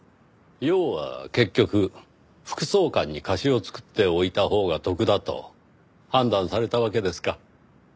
要は結局副総監に貸しを作っておいたほうが得だと判断されたわけですか。